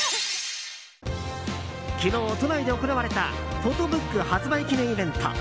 昨日、都内で行われたフォトブック発売記念イベント。